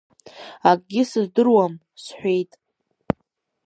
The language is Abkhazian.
Акгьы сыздыруам, — сҳәеит.